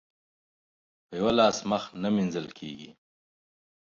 په يوه لاس مخ نه مينځل کېږي.